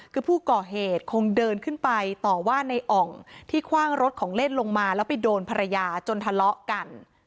คือผู้ก่อเหตุคงเดินขึ้นไปต่อว่าในอ่องที่คว่างรถของเล่นลงมาแล้วไปโดนภรรยาจนทะเลาะกัน